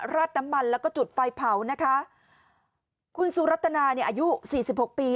ราดน้ำมันแล้วก็จุดไฟเผานะคะคุณสุรัตนาเนี่ยอายุสี่สิบหกปี